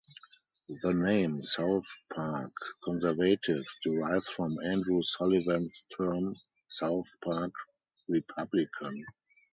The name "South Park Conservatives" derives from Andrew Sullivan's term, "South Park" Republican".